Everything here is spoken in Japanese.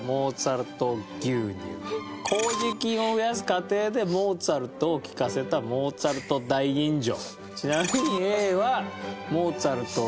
麹菌を増やす過程でモーツァルトを聴かせたモーツァルト大吟醸。